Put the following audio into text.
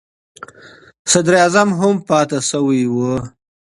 صدر اعظم هم پاتې شوی و.